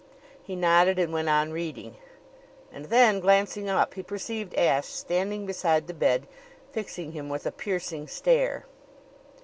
He nodded and went on reading. And then, glancing up, he perceived Ashe standing beside the bed, fixing him with a piercing stare.